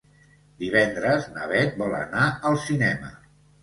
Divendres na Beth vol anar al cinema.